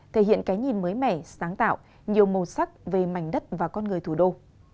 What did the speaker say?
thể hiện cái nhìn mới mẻ sáng tạo nhiều màu sắc về mảnh đất và con người thủ đô